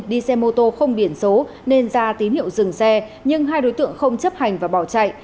đi xe mô tô không biển số nên ra tín hiệu dừng xe nhưng hai đối tượng không chấp hành và bỏ chạy